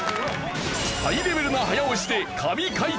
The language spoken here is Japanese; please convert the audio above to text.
ハイレベルな早押しで神解答が続々！